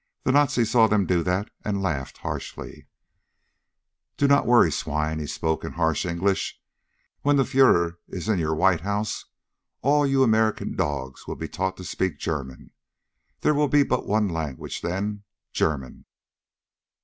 The Nazi saw them do that and laughed harshly. "Do not worry, swine," he spoke in harsh English. "When the Fuehrer is in your White House all of you American dogs will be taught to speak German. There will be but one language then. German!"